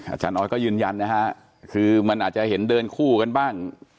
อาจารย์ออสก็ยืนยันนะฮะคือมันอาจจะเห็นเดินคู่กันบ้าง